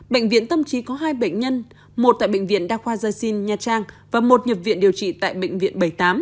bệnh viện tâm trí có hai bệnh nhân một tại bệnh viện đa khoa dơ sinh nha trang và một nhập viện điều trị tại bệnh viện bảy mươi tám